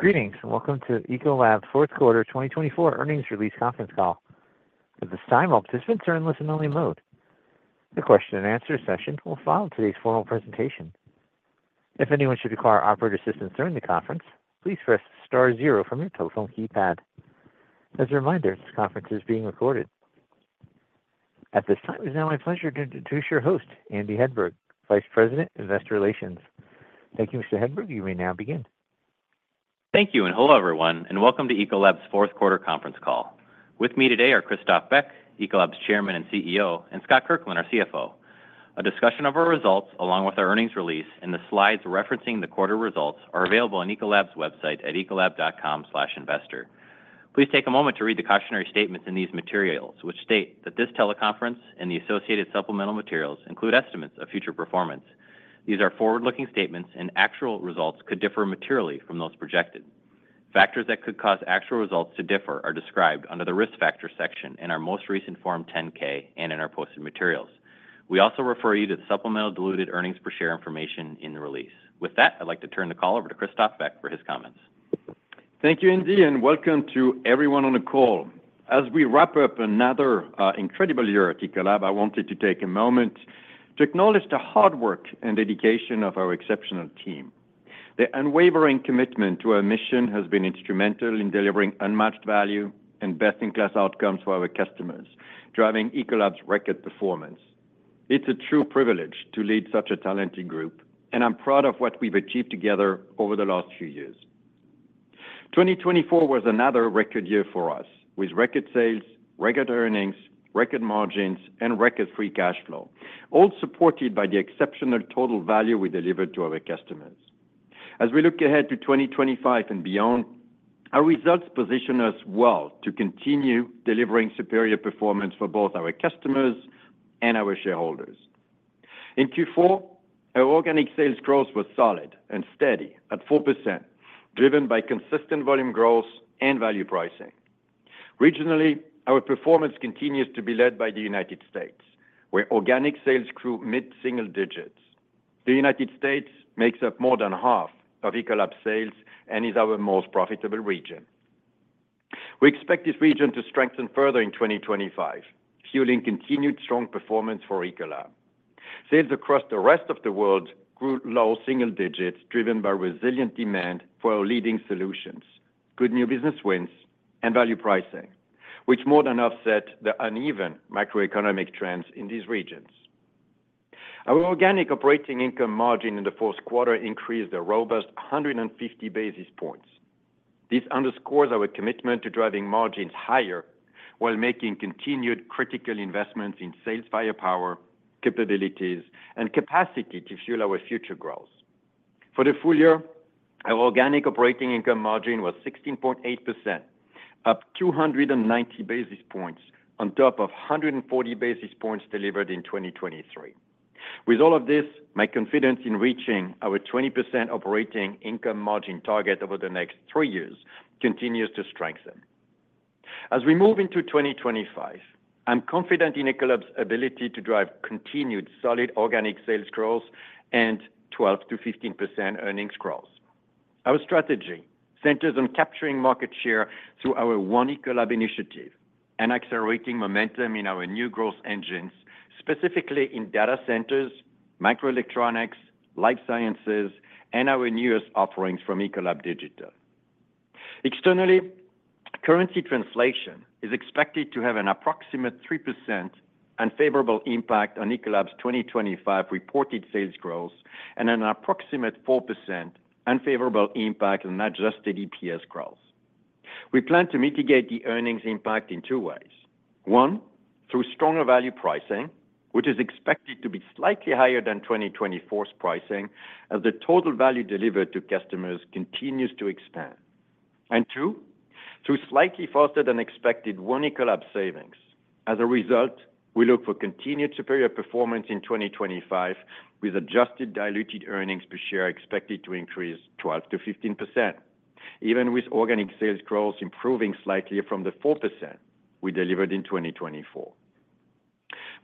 Greetings, and welcome to Ecolab's fourth quarter 2024 earnings release conference call. At this time, all participants are in listen-only mode. The question-and-answer session will follow today's formal presentation. If anyone should require operator assistance during the conference, please press star zero from your telephone keypad. As a reminder, this conference is being recorded. At this time, it is now my pleasure to introduce your host, Andy Hedberg, Vice President, Investor Relations. Thank you, Mr. Hedberg. You may now begin. Thank you, and hello everyone, and welcome to Ecolab's fourth quarter conference call. With me today are Christophe Beck, Ecolab's Chairman and CEO, and Scott Kirkland, our CFO. A discussion of our results, along with our earnings release and the slides referencing the quarter results, are available on Ecolab's website at ecolab.com/investor. Please take a moment to read the cautionary statements in these materials, which state that this teleconference and the associated supplemental materials include estimates of future performance. These are forward-looking statements, and actual results could differ materially from those projected. Factors that could cause actual results to differ are described under the risk factor section in our most recent Form 10-K and in our posted materials. We also refer you to the supplemental diluted earnings per share information in the release. With that, I'd like to turn the call over to Christophe Beck for his comments. Thank you, Andy, and welcome to everyone on the call. As we wrap up another incredible year at Ecolab, I wanted to take a moment to acknowledge the hard work and dedication of our exceptional team. Their unwavering commitment to our mission has been instrumental in delivering unmatched value and best-in-class outcomes for our customers, driving Ecolab's record performance. It's a true privilege to lead such a talented group, and I'm proud of what we've achieved together over the last few years. 2024 was another record year for us, with record sales, record earnings, record margins, and record free cash flow, all supported by the exceptional total value we delivered to our customers. As we look ahead to 2025 and beyond, our results position us well to continue delivering superior performance for both our customers and our shareholders. In Q4, our organic sales growth was solid and steady at 4%, driven by consistent volume growth and value pricing. Regionally, our performance continues to be led by the United States, where organic sales grew mid-single digits. The United States makes up more than half of Ecolab's sales and is our most profitable region. We expect this region to strengthen further in 2025, fueling continued strong performance for Ecolab. Sales across the rest of the world grew low single digits, driven by resilient demand for our leading solutions, good new business wins, and value pricing, which more than offset the uneven macroeconomic trends in these regions. Our organic operating income margin in the fourth quarter increased a robust 150 basis points. This underscores our commitment to driving margins higher while making continued critical investments in sales firepower, capabilities, and capacity to fuel our future growth. For the full year, our organic operating income margin was 16.8%, up 290 basis points on top of 140 basis points delivered in 2023. With all of this, my confidence in reaching our 20% operating income margin target over the next three years continues to strengthen. As we move into 2025, I'm confident in Ecolab's ability to drive continued solid organic sales growth and 12% to 15% earnings growth. Our strategy centers on capturing market share through our One Ecolab initiative and accelerating momentum in our new growth engines, specifically in data centers, microelectronics, life sciences, and our newest offerings from Ecolab Digital. Externally, currency translation is expected to have an approximate 3% unfavorable impact on Ecolab's 2025 reported sales growth and an approximate 4% unfavorable impact on adjusted EPS growth. We plan to mitigate the earnings impact in two ways. One, through strong year value pricing, which is expected to be slightly higher than 2024's pricing as the total value delivered to customers continues to expand, and two, through slightly faster-than-expected One Ecolab savings. As a result, we look for continued superior performance in 2025, with adjusted diluted earnings per share expected to increase 12%-15%, even with organic sales growth improving slightly from the 4% we delivered in 2024.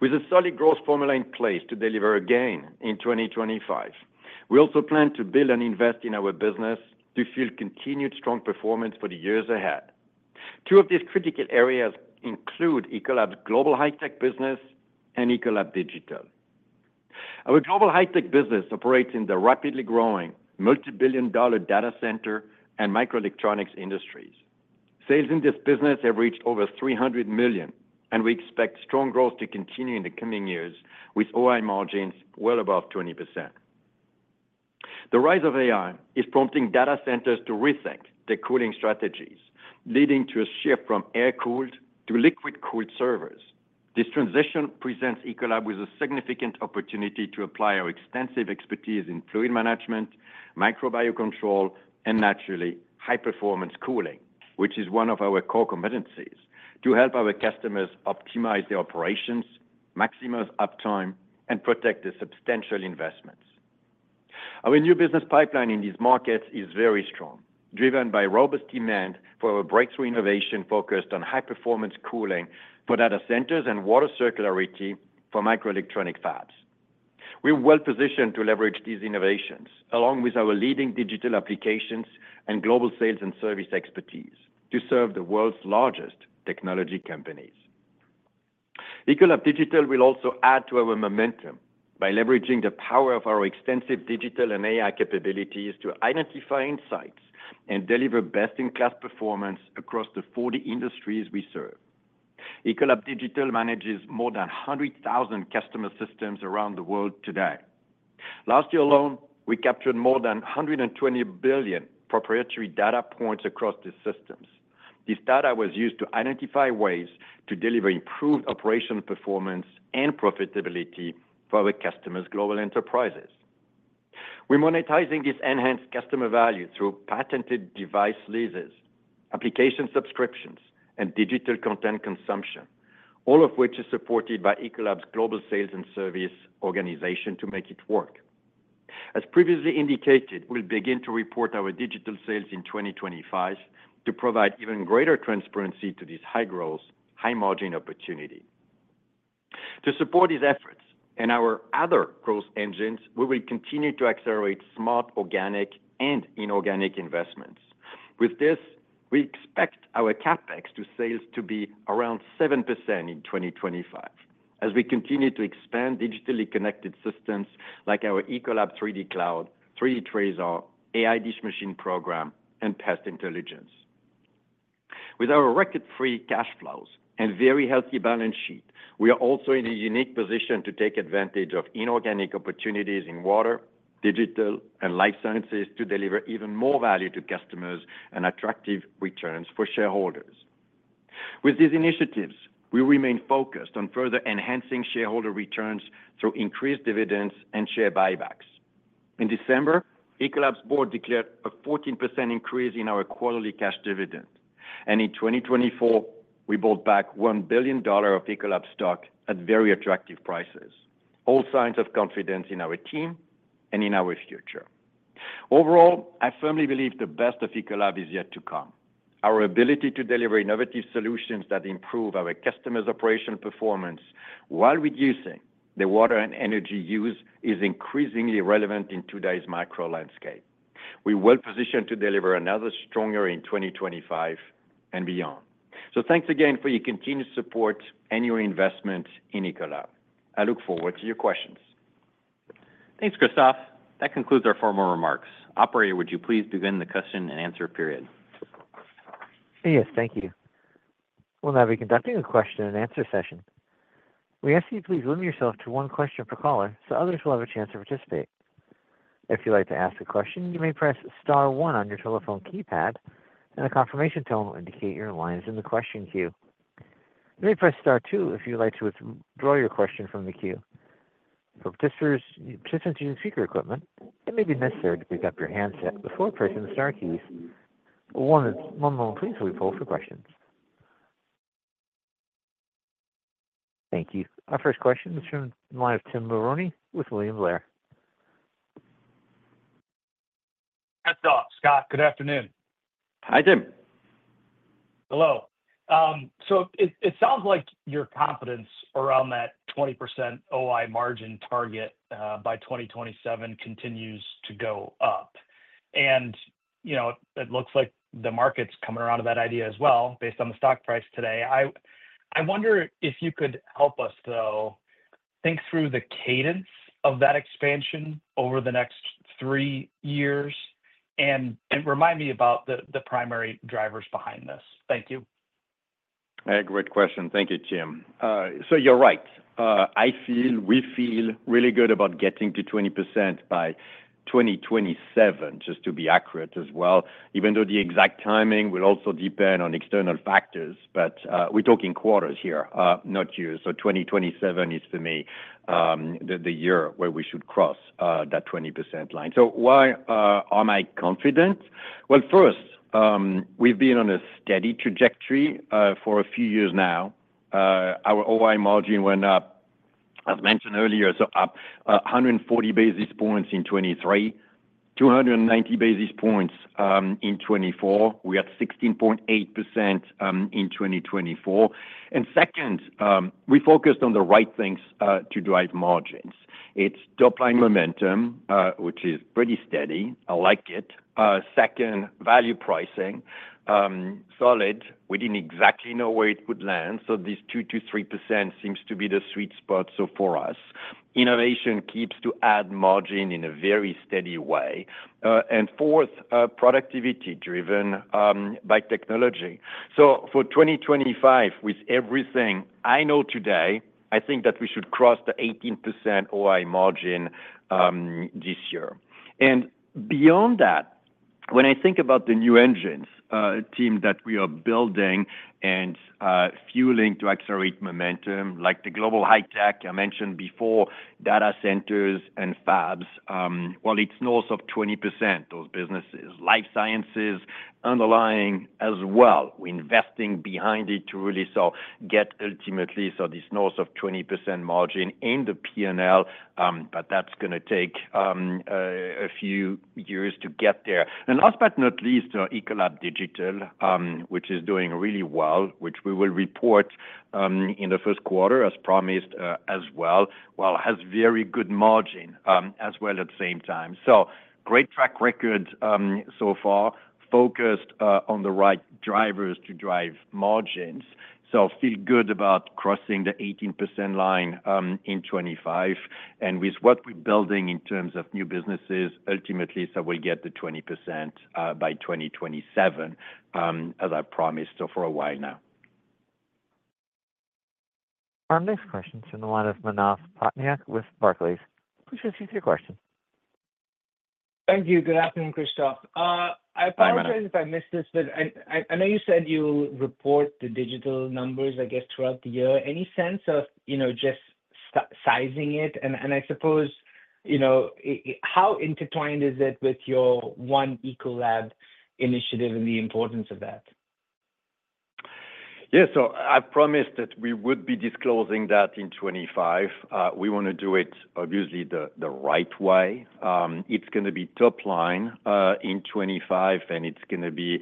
With a solid growth formula in place to deliver again in 2025, we also plan to build and invest in our business to fuel continued strong performance for the years ahead. Two of these critical areas include Ecolab's Global High-Tech business and Ecolab Digital. Our Global High-Tech business operates in the rapidly growing multi-billion dollar data center and microelectronics industries. Sales in this business have reached over $300 million, and we expect strong growth to continue in the coming years, with OI margins well above 20%. The rise of AI is prompting data centers to rethink their cooling strategies, leading to a shift from air-cooled to liquid-cooled servers. This transition presents Ecolab with a significant opportunity to apply our extensive expertise in fluid management, microbio control, and naturally, high-performance cooling, which is one of our core competencies, to help our customers optimize their operations, maximize uptime, and protect their substantial investments. Our new business pipeline in these markets is very strong, driven by robust demand for our breakthrough innovation focused on high-performance cooling for data centers and water circularity for microelectronic fabs. We're well positioned to leverage these innovations, along with our leading digital applications and global sales and service expertise, to serve the world's largest technology companies. Ecolab Digital will also add to our momentum by leveraging the power of our extensive digital and AI capabilities to identify insights and deliver best-in-class performance across the 40 industries we serve. Ecolab Digital manages more than 100,000 customer systems around the world today. Last year alone, we captured more than 120 billion proprietary data points across these systems. This data was used to identify ways to deliver improved operational performance and profitability for our customers' global enterprises. We're monetizing this enhanced customer value through patented device leases, application subscriptions, and digital content consumption, all of which is supported by Ecolab's global sales and service organization to make it work. As previously indicated, we'll begin to report our digital sales in 2025 to provide even greater transparency to this high-growth, high-margin opportunity. To support these efforts and our other growth engines, we will continue to accelerate smart organic and inorganic investments. With this, we expect our CapEx to sales to be around 7% in 2025, as we continue to expand digitally connected systems like our Ecolab 3D Cloud, 3D TRASAR, AI Dish Machine program, and Pest Intelligence. With our record free cash flows and very healthy balance sheet, we are also in a unique position to take advantage of inorganic opportunities in water, digital, and life sciences to deliver even more value to customers and attractive returns for shareholders. With these initiatives, we remain focused on further enhancing shareholder returns through increased dividends and share buybacks. In December, Ecolab's board declared a 14% increase in our quarterly cash dividend, and in 2024, we bought back $1 billion of Ecolab stock at very attractive prices, all signs of confidence in our team and in our future. Overall, I firmly believe the best of Ecolab is yet to come. Our ability to deliver innovative solutions that improve our customers' operational performance while reducing their water and energy use is increasingly relevant in today's macro landscape. We're well positioned to deliver another stronger in 2025 and beyond. So thanks again for your continued support and your investment in Ecolab. I look forward to your questions. Thanks, Christophe. That concludes our formal remarks. Operator, would you please begin the question and answer period? Yes, thank you. We'll now be conducting a question and answer session. We ask that you please limit yourself to one question per caller so others will have a chance to participate. If you'd like to ask a question, you may press star one on your telephone keypad, and a confirmation tone will indicate your line is in the question queue. You may press star two if you'd like to withdraw your question from the queue. For participants using speaker equipment, it may be necessary to pick up your handset before pressing the star keys. One moment, please, while we poll for questions. Thank you. Our first question is from the line of Tim Mulrooney with William Blair. Heads up, Scott. Good afternoon. Hi, Tim. Hello. So it sounds like your confidence around that 20% OI margin target by 2027 continues to go up. And it looks like the market's coming around to that idea as well, based on the stock price today. I wonder if you could help us, though, think through the cadence of that expansion over the next three years and remind me about the primary drivers behind this. Thank you. Great question. Thank you, Tim. So you're right. I feel, we feel really good about getting to 20% by 2027, just to be accurate as well, even though the exact timing will also depend on external factors. But we're talking quarters here, not years. So 2027 is, for me, the year where we should cross that 20% line. So why am I confident? Well, first, we've been on a steady trajectory for a few years now. Our OI margin went up, as mentioned earlier, so up 140 basis points in 2023, 290 basis points in 2024. We had 16.8% in 2024. And second, we focused on the right things to drive margins. It's top-line momentum, which is pretty steady. I like it. Second, value pricing, solid. We didn't exactly know where it would land, so these 2%-3% seems to be the sweet spot, so for us. Innovation keeps to add margin in a very steady way, and fourth, productivity driven by technology, so for 2025, with everything I know today, I think that we should cross the 18% OI margin this year, and beyond that, when I think about the new engines, Tim, that we are building and fueling to accelerate momentum, like the Global High-Tech I mentioned before, data centers and fabs, well, it's north of 20%, those businesses. Life Sciences underlying as well. We're investing behind it to really get ultimately this north of 20% margin in the P&L, but that's going to take a few years to get there, and last but not least, Ecolab Digital, which is doing really well, which we will report in the first quarter, as promised as well, well, has very good margin as well at the same time. So, great track record so far, focused on the right drivers to drive margins. So, feel good about crossing the 18% line in 2025. And with what we're building in terms of new businesses, ultimately, so we'll get to 20% by 2027, as I promised for a while now. Our next question is from the line of Manav Patnaik with Barclays. Please proceed to your question. Thank you. Good afternoon, Christophe. I apologize if I missed this, but I know you said you'll report the digital numbers, I guess, throughout the year. Any sense of just sizing it? And I suppose, how intertwined is it with your One Ecolab Initiative and the importance of that? Yeah. I promised that we would be disclosing that in 2025. We want to do it, obviously, the right way. It's going to be top-line in 2025, and it's going to be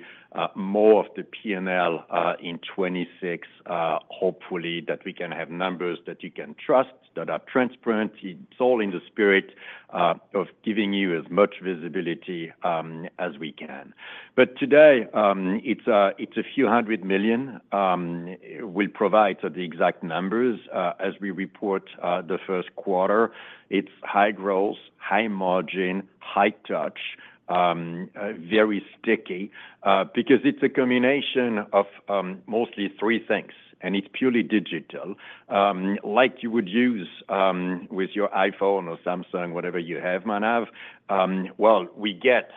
more of the P&L in 2026, hopefully, that we can have numbers that you can trust, that are transparent. It's all in the spirit of giving you as much visibility as we can. But today, it's $a few hundred million. We'll provide the exact numbers as we report the first quarter. It's high growth, high margin, high touch, very sticky because it's a combination of mostly three things, and it's purely digital, like you would use with your iPhone or Samsung, whatever you have, Manav. We get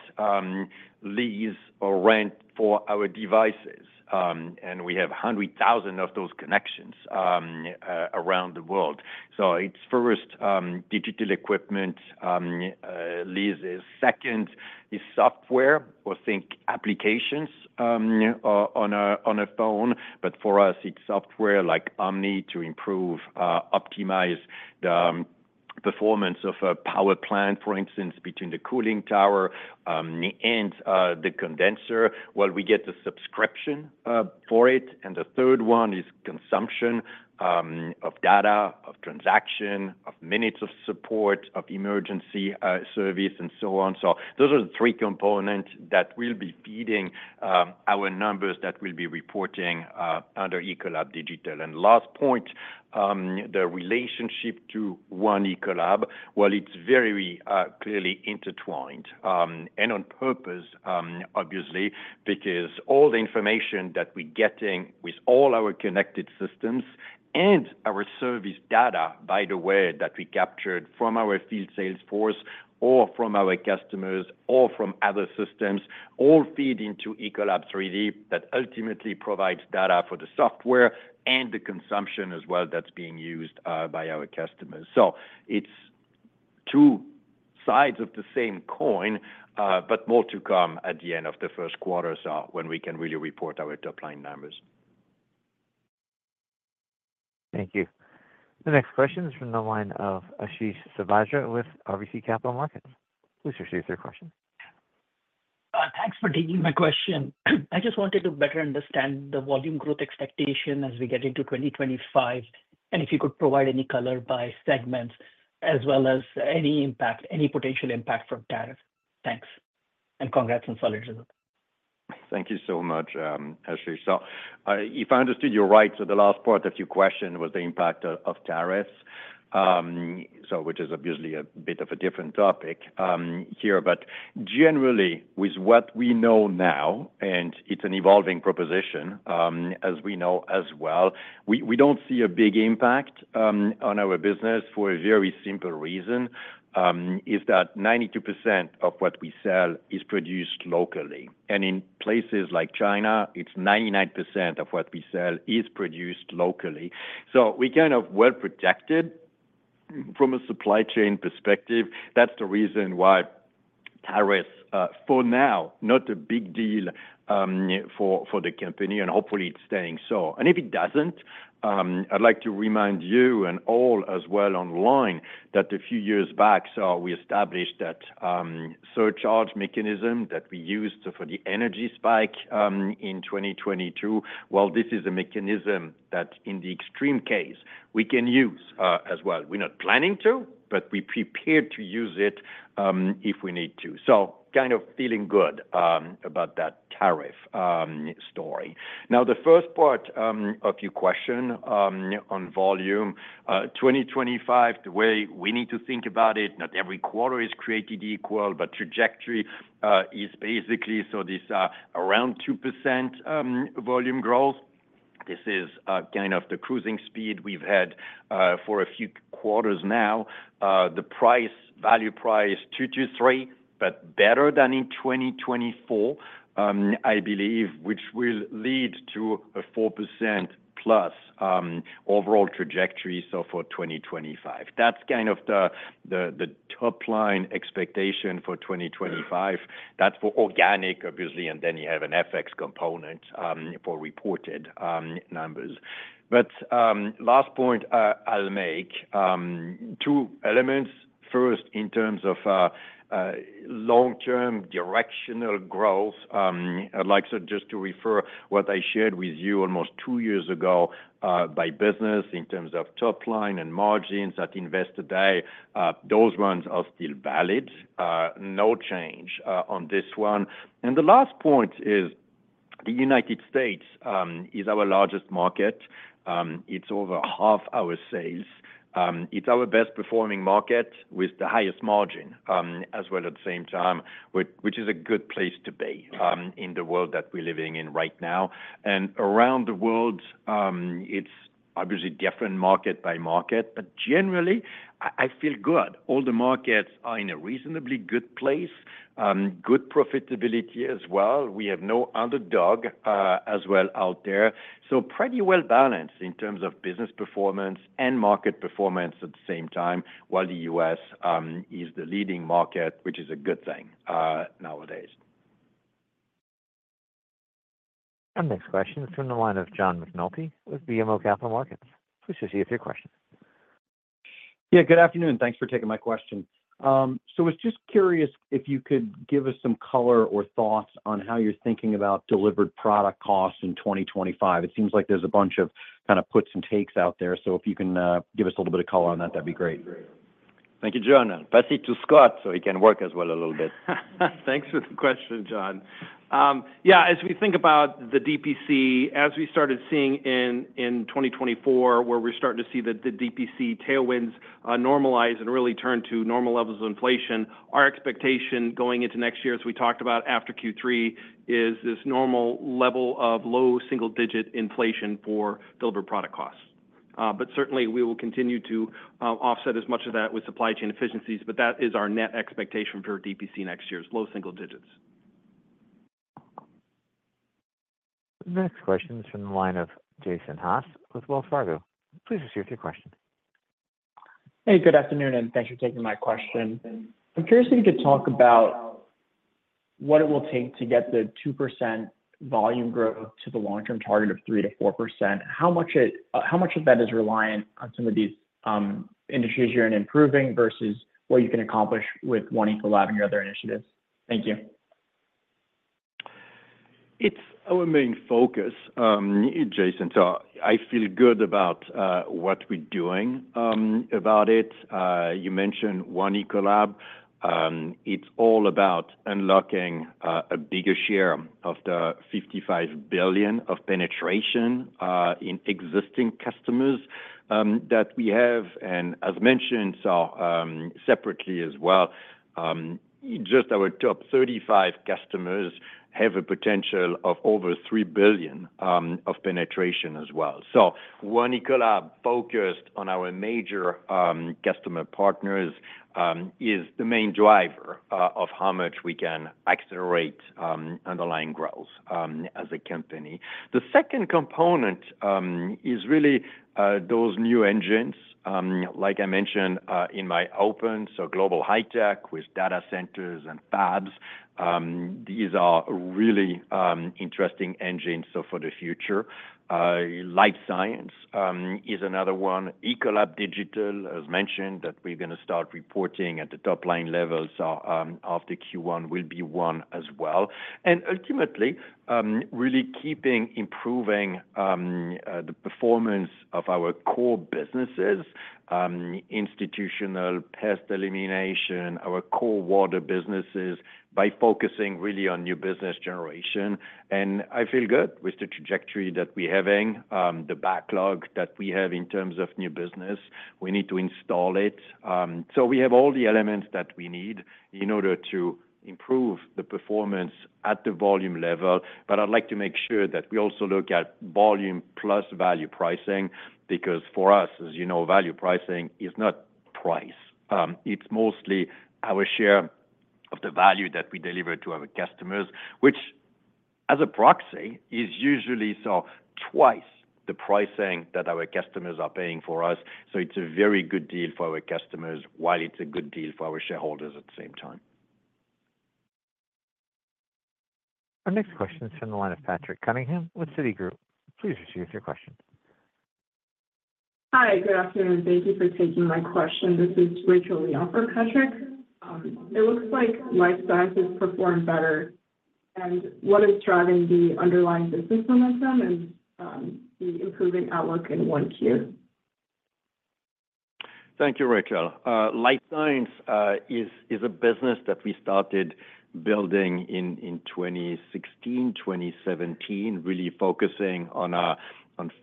lease or rent for our devices, and we have 100,000 of those connections around the world. So it's first digital equipment leases. Second is software. all think applications on a phone, but for us, it's software like OMNI to improve, optimize the performance of a power plant, for instance, between the cooling tower and the condenser. Well, we get the subscription for it. And the third one is consumption of data, of transaction, of minutes of support, of emergency service, and so on. So those are the three components that will be feeding our numbers that we'll be reporting under Ecolab Digital. And last point, the relationship to One Ecolab, well, it's very clearly intertwined. And on purpose, obviously, because all the information that we're getting with all our connected systems and our service data, by the way, that we captured from our field sales force or from our customers or from other systems, all feed into Ecolab 3D that ultimately provides data for the software and the consumption as well that's being used by our customers. So it's two sides of the same coin, but more to come at the end of the first quarter when we can really report our top-line numbers. Thank you. The next question is from the line of Ashish Sabadra with RBC Capital Markets. Please proceed with your question. Thanks for taking my question. I just wanted to better understand the volume growth expectation as we get into 2025, and if you could provide any color by segments as well as any impact, any potential impact from tariffs? Thanks, and congrats on solid results. Thank you so much, Ashish. If I understood you right, the last part of your question was the impact of tariffs, which is obviously a bit of a different topic here. But generally, with what we know now, and it's an evolving proposition, as we know as well, we don't see a big impact on our business for a very simple reason: 92% of what we sell is produced locally. And in places like China, 99% of what we sell is produced locally. We're kind of well protected from a supply chain perspective. That's the reason why tariffs, for now, are not a big deal for the company, and hopefully, it stays so. And if it doesn't, I'd like to remind you and all as well online that a few years back, so we established that surcharge mechanism that we used for the energy spike in 2022. Well, this is a mechanism that, in the extreme case, we can use as well. We're not planning to, but we're prepared to use it if we need to. So kind of feeling good about that tariff story. Now, the first part of your question on volume, 2025, the way we need to think about it, not every quarter is created equal, but trajectory is basically so these are around 2% volume growth. This is kind of the cruising speed we've had for a few quarters now. The price, value price, 2%-3%, but better than in 2024, I believe, which will lead to a 4% plus overall trajectory for 2025. That's kind of the top-line expectation for 2025. That's for organic, obviously, and then you have an FX component for reported numbers. But last point I'll make, two elements. First, in terms of long-term directional growth, I'd like just to refer what I shared with you almost two years ago by business in terms of top-line and margins that invest today. Those ones are still valid. No change on this one. And the last point is the United States is our largest market. It's over half our sales. It's our best-performing market with the highest margin as well at the same time, which is a good place to be in the world that we're living in right now. And around the world, it's obviously different market by market, but generally, I feel good. All the markets are in a reasonably good place, good profitability as well. We have no underdog as well out there, so pretty well balanced in terms of business performance and market performance at the same time, while the U.S. is the leading market, which is a good thing nowadays. Our next question is from the line of John McNulty with BMO Capital Markets. Please proceed with your question. Yeah, good afternoon. Thanks for taking my question. So I was just curious if you could give us some color or thoughts on how you're thinking about Delivered Product Costs in 2025. It seems like there's a bunch of kind of puts and takes out there. So if you can give us a little bit of color on that, that'd be great. Thank you, John. I'll pass it to Scott so he can work as well a little bit. Thanks for the question, John. Yeah, as we think about the DPC, as we started seeing in 2024, where we're starting to see the DPC tailwinds normalize and really turn to normal levels of inflation, our expectation going into next year, as we talked about after Q3, is this normal level of low single-digit inflation for delivered product costs. But certainly, we will continue to offset as much of that with supply chain efficiencies, but that is our net expectation for DPC next year's low single digits. The next question is from the line of Jason Haas with Wells Fargo. Please proceed with your question. Hey, good afternoon, and thanks for taking my question. I'm curious if you could talk about what it will take to get the 2% volume growth to the long-term target of 3%-4%. How much of that is reliant on some of these industries you're in improving versus what you can accomplish with One Ecolab and your other initiatives? Thank you. It's our main focus, Jason. I feel good about what we're doing about it. You mentioned One Ecolab. It's all about unlocking a bigger share of the $55 billion of penetration in existing customers that we have. And as mentioned, so separately as well, just our top 35 customers have a potential of over $3 billion of penetration as well. One Ecolab focused on our major customer partners is the main driver of how much we can accelerate underlying growth as a company. The second component is really those new engines, like I mentioned in my open, so Global High-Tech with data centers and fabs. These are really interesting engines for the future. Life sciences is another one. Ecolab Digital, as mentioned, that we're going to start reporting at the top-line levels of the Q1 will be one as well. Ultimately, really keeping improving the performance of our core businesses, Institutional pest elimination, our core water businesses by focusing really on new business generation. I feel good with the trajectory that we're having, the backlog that we have in terms of new business. We need to install it. So we have all the elements that we need in order to improve the performance at the volume level. But I'd like to make sure that we also look at volume plus value pricing because for us, as you know, value pricing is not price. It's mostly our share of the value that we deliver to our customers, which as a proxy is usually twice the pricing that our customers are paying for us. So it's a very good deal for our customers while it's a good deal for our shareholders at the same time. Our next question is from the line of Patrick Cunningham with Citigroup. Please proceed with your question. Hi, good afternoon. Thank you for taking my question. This is Rachel Leo from Patrick. It looks like Life Sciences perform better, and what is driving the underlying business momentum and the improving outlook in 1Q? Thank you, Rachel. Life sciences is a business that we started building in 2016, 2017, really focusing on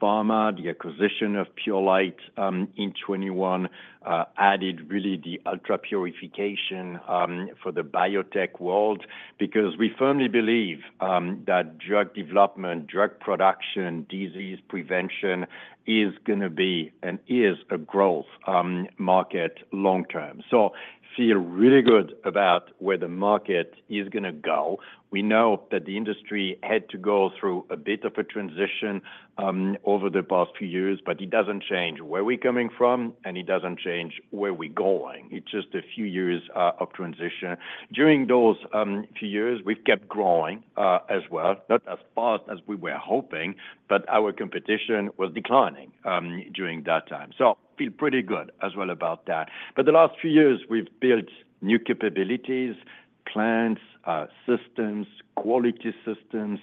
pharma, the acquisition of Purolite in 2021, added really the ultra-purification for the biotech world because we firmly believe that drug development, drug production, disease prevention is going to be and is a growth market long term so feel really good about where the market is going to go. We know that the industry had to go through a bit of a transition over the past few years, but it doesn't change where we're coming from, and it doesn't change where we're going. It's just a few years of transition. During those few years, we've kept growing as well, not as fast as we were hoping, but our competition was declining during that time so feel pretty good as well about that. But the last few years, we've built new capabilities, plants, systems, quality systems.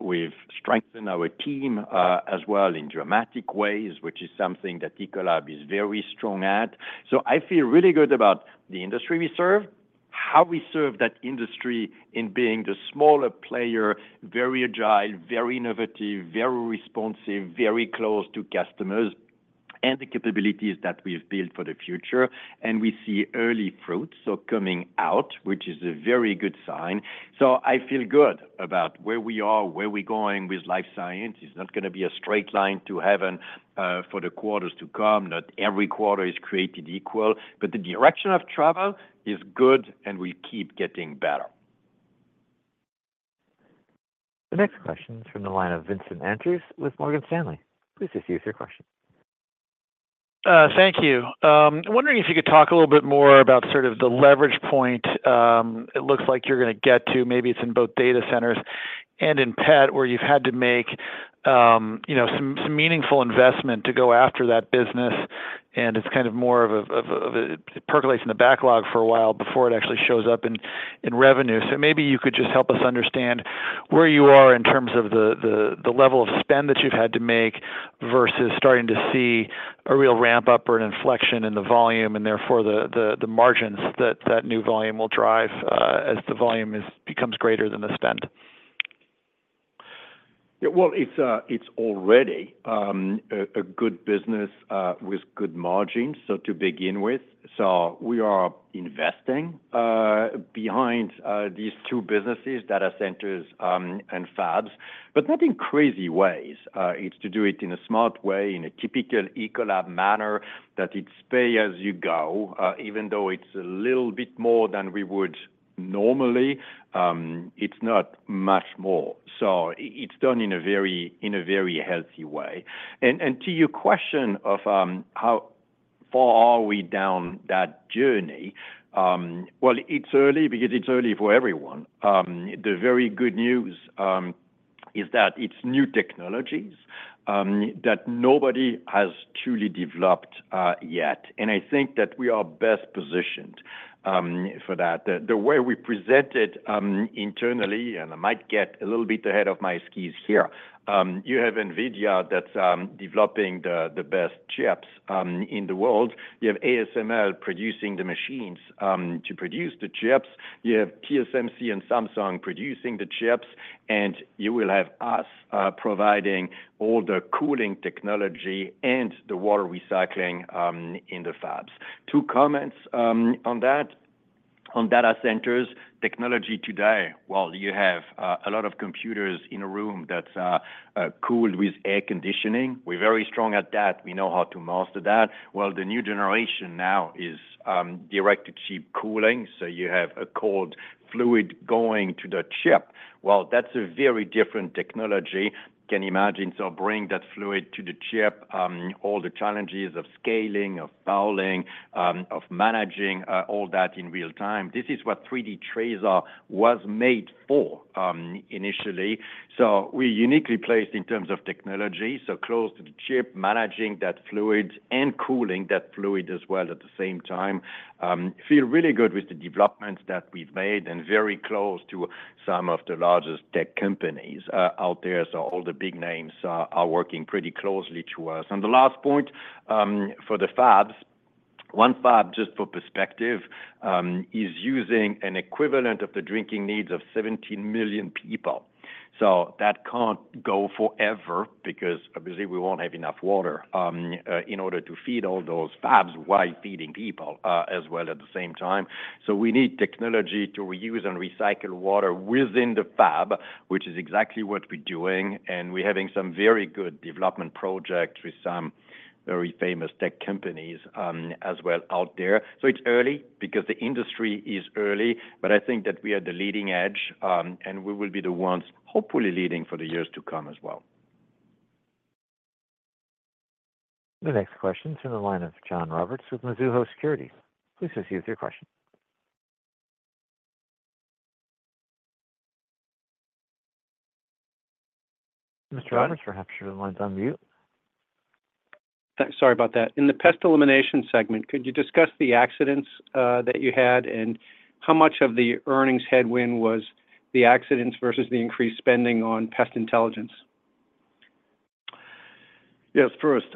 We've strengthened our team as well in dramatic ways, which is something that Ecolab is very strong at. So I feel really good about the industry we serve, how we serve that industry in being the smaller player, very agile, very innovative, very responsive, very close to customers, and the capabilities that we've built for the future. And we see early fruits coming out, which is a very good sign. So I feel good about where we are, where we're going with Life Sciences. It's not going to be a straight line to heaven for the quarters to come. Not every quarter is created equal, but the direction of travel is good and will keep getting better. The next question is from the line of Vincent Andrews with Morgan Stanley. Please proceed with your question. Thank you. I'm wondering if you could talk a little bit more about sort of the leverage point. It looks like you're going to get to, maybe it's in both data centers and in Pest, where you've had to make some meaningful investment to go after that business. And it's kind of more of a percolates in the backlog for a while before it actually shows up in revenue. So maybe you could just help us understand where you are in terms of the level of spend that you've had to make versus starting to see a real ramp-up or an inflection in the volume and therefore the margins that that new volume will drive as the volume becomes greater than the spend. Yeah, well, it's already a good business with good margins to begin with. So we are investing behind these two businesses, data centers and fabs, but not in crazy ways. It's to do it in a smart way, in a typical Ecolab manner that it's pay as you go, even though it's a little bit more than we would normally. It's not much more. So it's done in a very healthy way. And to your question of how far are we down that journey, well, it's early because it's early for everyone. The very good news is that it's new technologies that nobody has truly developed yet. And I think that we are best positioned for that. The way we present it internally, and I might get a little bit ahead of my skis here, you have NVIDIA that's developing the best chips in the world. You have ASML producing the machines to produce the chips. You have TSMC and Samsung producing the chips, and you will have us providing all the cooling technology and the water recycling in the fabs. Two comments on that. On data centers technology today, well, you have a lot of computers in a room that's cooled with air conditioning. We're very strong at that. We know how to master that. Well, the new generation now is direct-to-chip cooling. So you have a cold fluid going to the chip. Well, that's a very different technology. Can you imagine bringing that fluid to the chip, all the challenges of scaling, of fouling, of managing all that in real time? This is what 3D TRASAR was made for initially. So we're uniquely placed in terms of technology, so close to the chip, managing that fluid and cooling that fluid as well at the same time. We feel really good with the developments that we've made and very close to some of the largest tech companies out there. So all the big names are working pretty closely to us. And the last point for the fabs, one fab, just for perspective, is using an equivalent of the drinking needs of 17 million people. So that can't go forever because obviously we won't have enough water in order to feed all those fabs while feeding people as well at the same time. So we need technology to reuse and recycle water within the fab, which is exactly what we're doing. And we're having some very good development projects with some very famous tech companies as well out there. So it's early because the industry is early, but I think that we are the leading edge and we will be the ones hopefully leading for the years to come as well. The next question is from the line of John Roberts with Mizuho Securities. Please proceed with your question. Mr. Roberts, perhaps your line's on mute. Sorry about that. In the pest elimination segment, could you discuss the accidents that you had and how much of the earnings headwind was the accidents versus the increased spending on Pest Intelligence? Yes, first,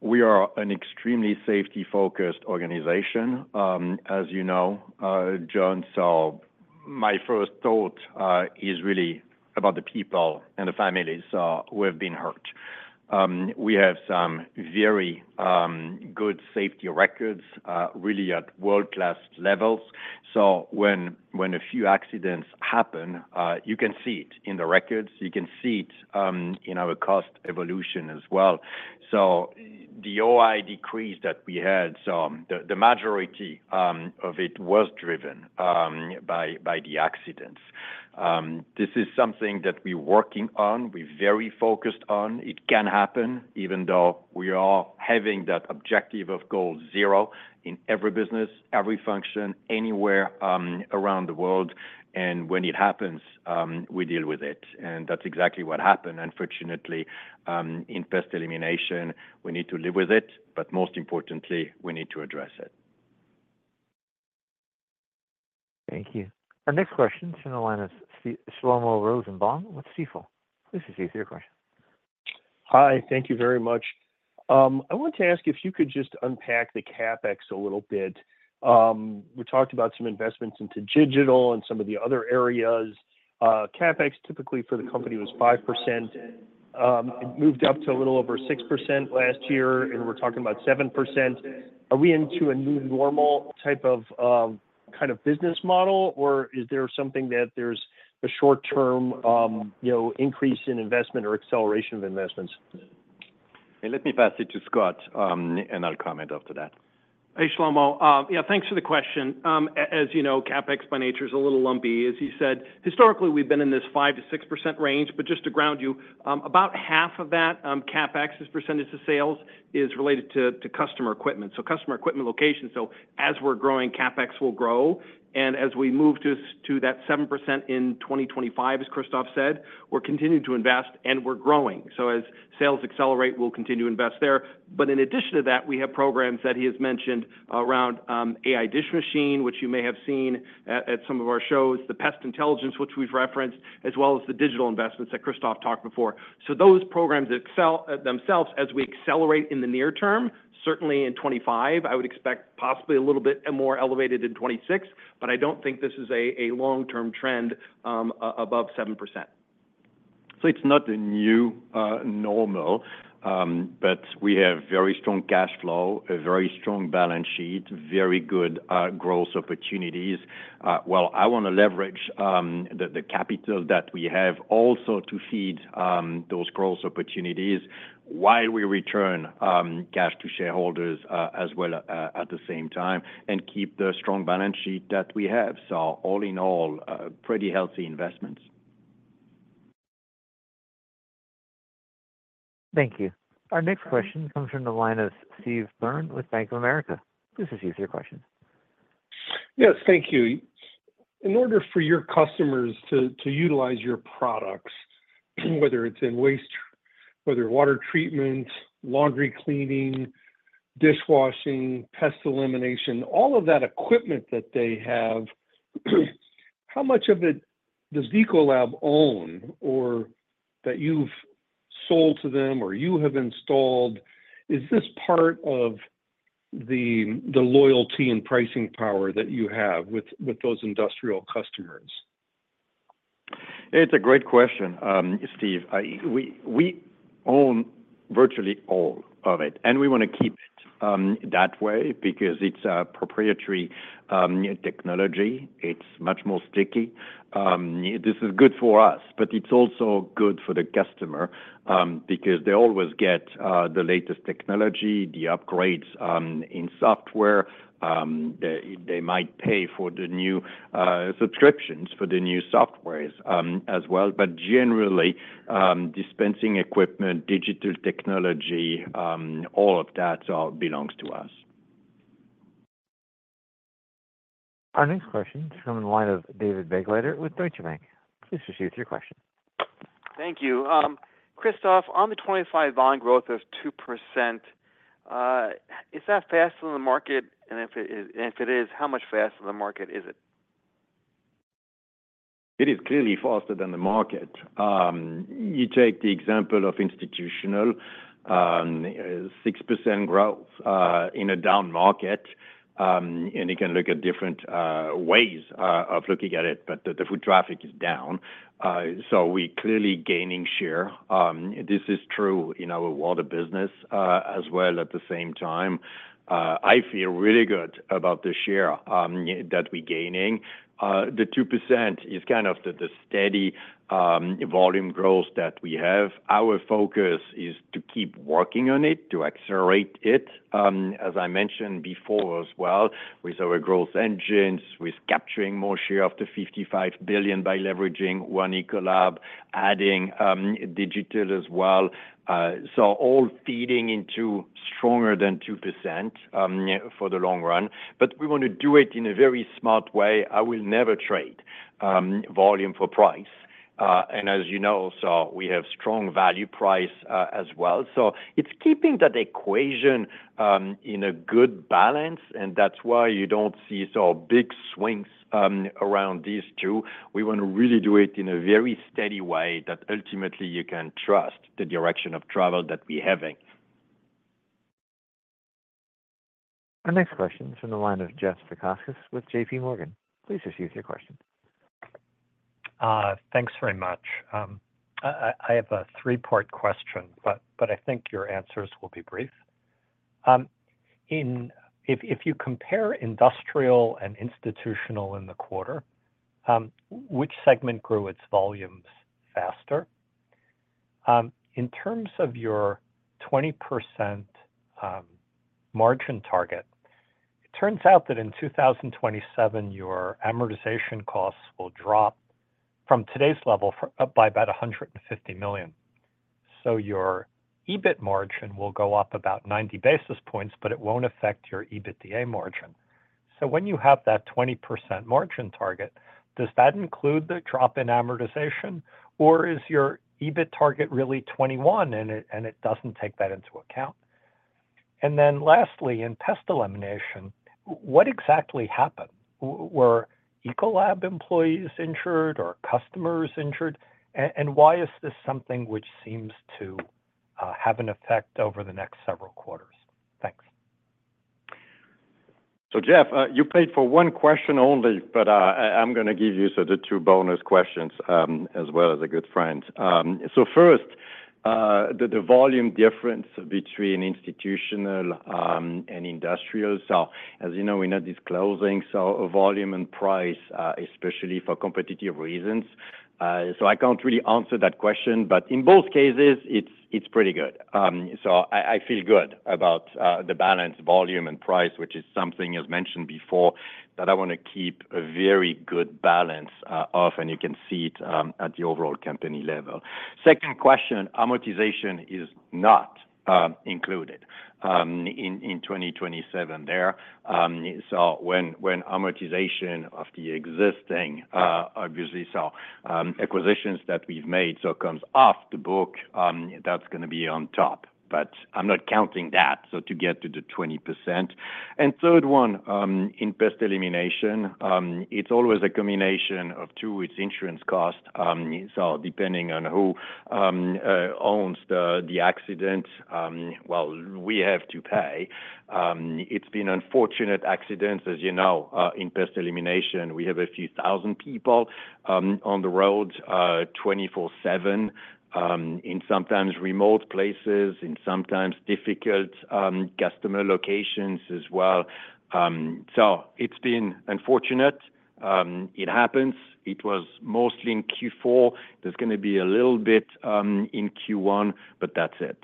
we are an extremely safety-focused organization. As you know, John, so my first thought is really about the people and the families who have been hurt. We have some very good safety records really at world-class levels. So when a few accidents happen, you can see it in the records. You can see it in our cost evolution as well. So the OI decrease that we had, so the majority of it was driven by the accidents. This is something that we're working on. We're very focused on. It can happen even though we are having that objective of goal zero in every business, every function, anywhere around the world, and when it happens, we deal with it, and that's exactly what happened. Unfortunately, in pest elimination, we need to live with it, but most importantly, we need to address it. Thank you. Our next question is from the line of Shlomo Rosenbaum with Stifel. Please proceed with your question. Hi, thank you very much. I want to ask if you could just unpack the CapEx a little bit. We talked about some investments into digital and some of the other areas. CapEx typically for the company was 5%. It moved up to a little over 6% last year, and we're talking about 7%. Are we into a new normal type of kind of business model, or is there something that's a short-term increase in investment or acceleration of investments? Let me pass it to Scott and I'll comment after that. Hey, Shlomo. Yeah, thanks for the question. As you know, CapEx by nature is a little lumpy. As you said, historically, we've been in this 5%-6% range, but just to ground you, about half of that CapEx, this percentage of sales, is related to customer equipment. So customer equipment location. So as we're growing, CapEx will grow. And as we move to that 7% in 2025, as Christophe said, we're continuing to invest and we're growing. So as sales accelerate, we'll continue to invest there. But in addition to that, we have programs that he has mentioned around AI Dish Machine, which you may have seen at some of our shows, the Pest Intelligence, which we've referenced, as well as the digital investments that Christophe talked before. So those programs themselves, as we accelerate in the near term, certainly in 2025, I would expect possibly a little bit more elevated in 2026, but I don't think this is a long-term trend above 7%. It's not a new normal, but we have very strong cash flow, a very strong balance sheet, very good growth opportunities. Well, I want to leverage the capital that we have also to feed those growth opportunities while we return cash to shareholders as well at the same time and keep the strong balance sheet that we have. All in all, pretty healthy investments. Thank you. Our next question comes from the line of Steve Byrne with Bank of America. Please proceed with your question. Yes, thank you. In order for your customers to utilize your products, whether it's in wastewater treatment, laundry cleaning, dishwashing, pest elimination, all of that equipment that they have, how much of it does Ecolab own or that you've sold to them or you have installed? Is this part of the loyalty and pricing power that you have with those industrial customers? It's a great question, Steve. We own virtually all of it, and we want to keep it that way because it's a proprietary technology. It's much more sticky. This is good for us, but it's also good for the customer because they always get the latest technology, the upgrades in software. They might pay for the new subscriptions, for the new software as well. But generally, dispensing equipment, digital technology, all of that belongs to us. Our next question is from the line of David Begleiter with Deutsche Bank. Please proceed with your question. Thank you. Christophe, on the 25-month growth of 2%, is that faster than the market? And if it is, how much faster than the market is it? It is clearly faster than the market. You take the example of institutional 6% growth in a down market, and you can look at different ways of looking at it, but the foot traffic is down. So we're clearly gaining share. This is true in our water business as well at the same time. I feel really good about the share that we're gaining. The 2% is kind of the steady volume growth that we have. Our focus is to keep working on it, to accelerate it. As I mentioned before as well, with our growth engines, with capturing more share of the $55 billion by leveraging One Ecolab, adding digital as well. So all feeding into stronger than 2% for the long run. But we want to do it in a very smart way. I will never trade volume for price. And as you know, we have strong value pricing as well. So it's keeping that equation in a good balance, and that's why you don't see big swings around these two. We want to really do it in a very steady way that ultimately you can trust the direction of travel that we're having. Our next question is from the line of Jeffrey Zekauskas with JPMorgan. Please proceed with your question. Thanks very much. I have a three-part question, but I think your answers will be brief. If you compare industrial and institutional in the quarter, which segment grew its volumes faster? In terms of your 20% margin target, it turns out that in 2027, your amortization costs will drop from today's level by about $150 million. So your EBIT margin will go up about 90 basis points, but it won't affect your EBITDA margin. So when you have that 20% margin target, does that include the drop in amortization, or is your EBIT target really 21% and it doesn't take that into account? And then lastly, in pest elimination, what exactly happened? Were Ecolab employees injured or customers injured? And why is this something which seems to have an effect over the next several quarters? Thanks. So, Jeff, you paid for one question only, but I'm going to give you the two bonus questions as well as a good friend. So first, the volume difference between institutional and industrial. So as you know, we're not disclosing volume and price, especially for competitive reasons. So I can't really answer that question, but in both cases, it's pretty good. So I feel good about the balance, volume, and price, which is something, as mentioned before, that I want to keep a very good balance of, and you can see it at the overall company level. Second question, amortization is not included in 2027 there. So when amortization of the existing, obviously, so acquisitions that we've made, so it comes off the book, that's going to be on top. But I'm not counting that, so to get to the 20%. And third one, in pest elimination, it's always a combination of two. It's insurance cost. So depending on who owns the accident, well, we have to pay. It's been unfortunate accidents, as you know, in pest elimination. We have a few thousand people on the road 24/7 in sometimes remote places, in sometimes difficult customer locations as well. So it's been unfortunate. It happens. It was mostly in Q4. There's going to be a little bit in Q1, but that's it.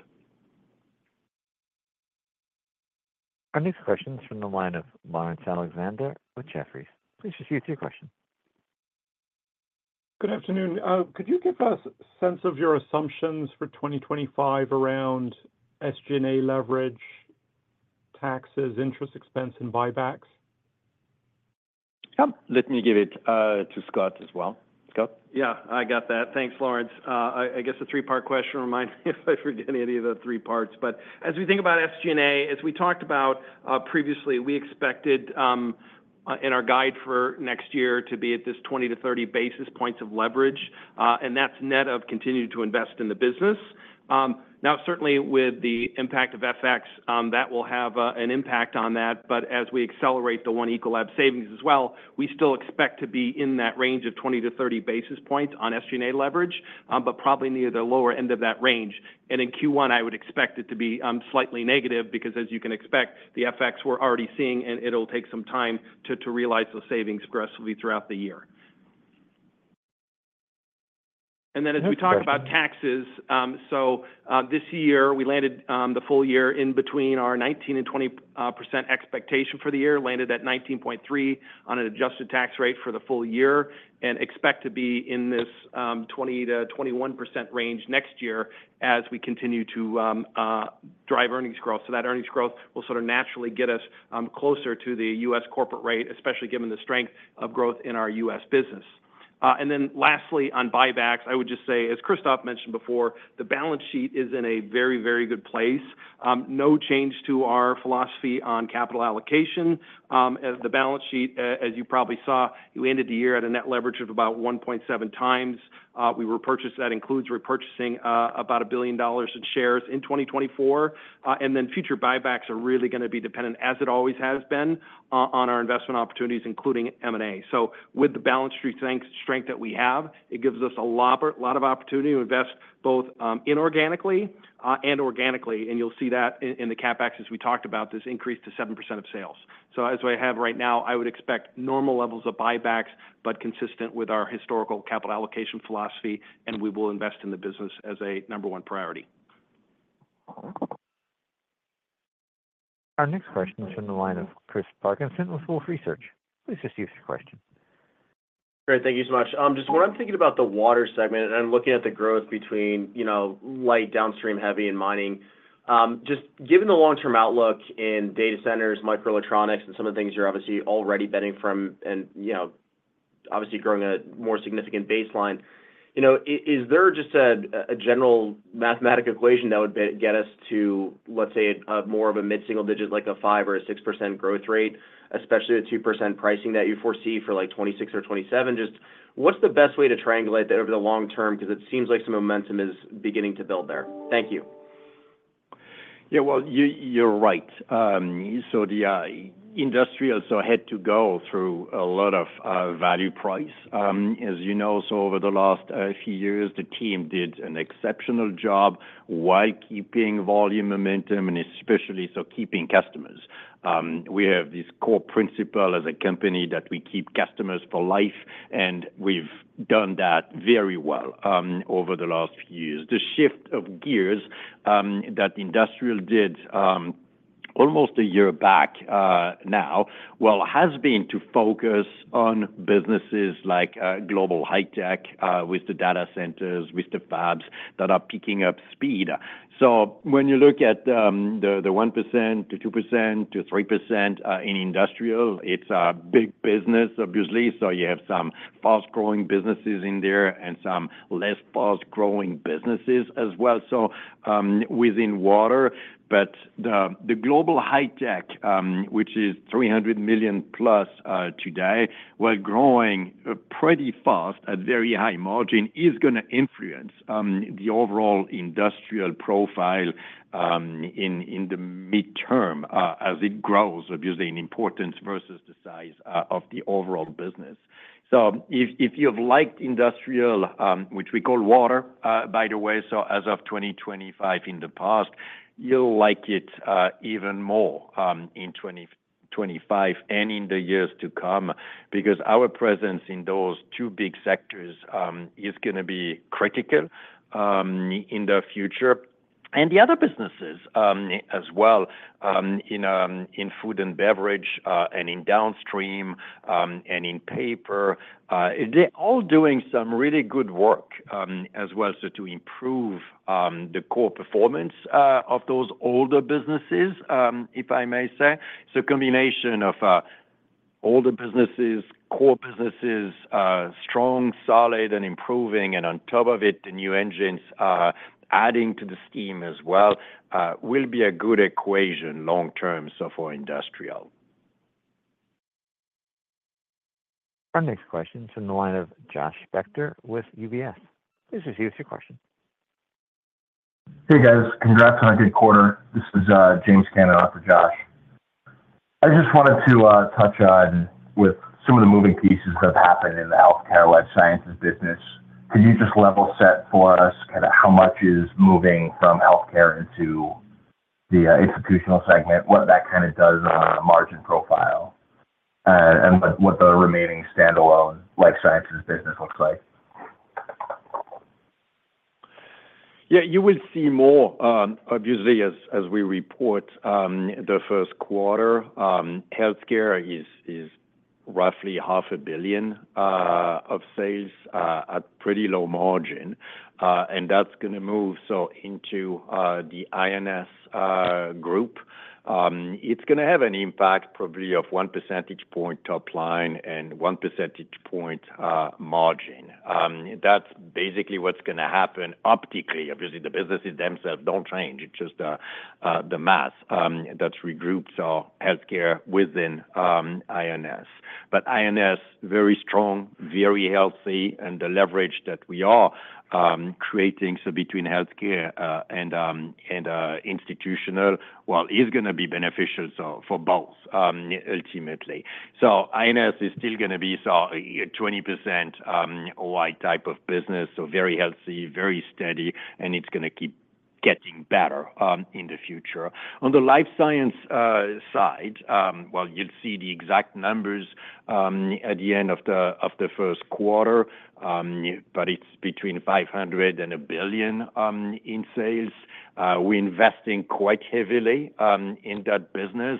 Our next question is from the line of Lawrence Alexander with Jefferies. Please proceed with your question. Good afternoon. Could you give us a sense of your assumptions for 2025 around SG&A leverage, taxes, interest expense, and buybacks? Let me give it to Scott as well. Scott? Yeah, I got that. Thanks, Lawrence. I guess a three-part question reminds me if I forget any of the three parts. But as we think about SG&A, as we talked about previously, we expected in our guide for next year to be at this 20 to 30 basis points of leverage, and that's net of continuing to invest in the business. Now, certainly with the impact of FX, that will have an impact on that. But as we accelerate the One Ecolab savings as well, we still expect to be in that range of 20 to 30 basis points on SG&A leverage, but probably near the lower end of that range. And in Q1, I would expect it to be slightly negative because, as you can expect, the FX we're already seeing, and it'll take some time to realize those savings progressively throughout the year. And then as we talk about taxes, so this year, we landed the full year in between our 19%-20% expectation for the year, landed at 19.3% on an adjusted tax rate for the full year, and expect to be in this 20%-21% range next year as we continue to drive earnings growth. So that earnings growth will sort of naturally get us closer to the U.S. corporate rate, especially given the strength of growth in our U.S. business. And then lastly, on buybacks, I would just say, as Christophe mentioned before, the balance sheet is in a very, very good place. No change to our philosophy on capital allocation. The balance sheet, as you probably saw, we ended the year at a net leverage of about 1.7 times. We repurchased. That includes repurchasing about $1 billion in shares in 2024. And then future buybacks are really going to be dependent, as it always has been, on our investment opportunities, including M&A. So with the balance sheet strength that we have, it gives us a lot of opportunity to invest both inorganically and organically. And you'll see that in the CapEx, as we talked about, this increase to seven% of sales. So as we have right now, I would expect normal levels of buybacks, but consistent with our historical capital allocation philosophy, and we will invest in the business as a number one priority. Our next question is from the line of Chris Parkinson with Wolfe Research. Please proceed with your question. Great. Thank you so much. Just when I'm thinking about the water segment and I'm looking at the growth between light, downstream, heavy, and mining, just given the long-term outlook in data centers, microelectronics, and some of the things you're obviously already betting from and obviously growing a more significant baseline, is there just a general mathematical equation that would get us to, let's say, more of a mid-single digit, like a five or a six% growth rate, especially the 2% pricing that you foresee for like 2026 or 2027? Just what's the best way to triangulate that over the long term? Because it seems like some momentum is beginning to build there. Thank you. Yeah, well, you're right. So the Industrial also had to go through a lot of value pricing. As you know, so over the last few years, the team did an exceptional job while keeping volume momentum and especially keeping customers. We have this core principle as a company that we keep customers for life, and we've done that very well over the last few years. The shift of gears that Industrial did almost a year back now, well, has been to focus on businesses like Global High-Tech with the data centers, with the fabs that are picking up speed. So when you look at the 1% to 2% to 3% in Industrial, it's a big business, obviously. So you have some fast-growing businesses in there and some less fast-growing businesses as well. So within Water, but the Global High-Tech, which is $300 million plus today, while growing pretty fast at very high margin, is going to influence the overall Industrial profile in the mid-term as it grows, obviously, in importance versus the size of the overall business. So if you've liked Industrial, which we call Water, by the way, so as of 2025 in the past, you'll like it even more in 2025 and in the years to come because our presence in those two big sectors is going to be critical in the future. And the other businesses as well in Food and Beverage and in Downstream and in Paper, they're all doing some really good work as well to improve the core performance of those older businesses, if I may say. A combination of older businesses, core businesses, strong, solid, and improving, and on top of it, the new engines adding to the steam as well will be a good equation long-term for Industrial. Our next question is from the line of Josh Spector with UBS. Please proceed with your question. Hey, guys. Congrats on a good quarter. This is James Cannon for Josh. I just wanted to touch on with some of the moving pieces that have happened in the Healthcare life sciences business. Could you just level set for us kind of how much is moving from Healthcare into the institutional segment, what that kind of does on a margin profile, and what the remaining standalone life sciences business looks like? Yeah, you will see more, obviously, as we report the first quarter. Healthcare is roughly $500 million of sales at pretty low margin. And that's going to move into the I&S group. It's going to have an impact probably of 1 percentage point top line and 1 percentage point margin. That's basically what's going to happen optically. Obviously, the businesses themselves don't change. It's just the math that's regrouped Healthcare within I&S. But I&S, very strong, very healthy, and the leverage that we are creating between Healthcare and institutional, well, is going to be beneficial for both ultimately. So I&S is still going to be 20%-wide type of business, so very healthy, very steady, and it's going to keep getting better in the future. On the Life Sciences side, well, you'll see the exact numbers at the end of the first quarter, but it's between $500 million and $1 billion in sales. We're investing quite heavily in that business.